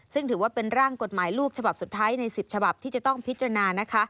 ซึ่งถือว่าเป็นร่างกฎหมายลูกฉบับสุดท้ายใน๑๐ฉบับที่จะต้องพิจารณานะคะ